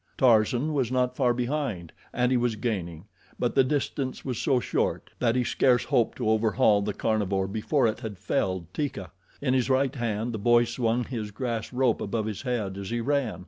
Tarzan was not far behind and he was gaining, but the distance was so short that he scarce hoped to overhaul the carnivore before it had felled Teeka. In his right hand the boy swung his grass rope above his head as he ran.